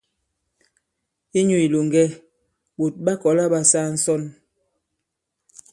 Inyū ilòŋgɛ, ɓòt ɓa kɔ̀la ɓa saa ǹsɔn.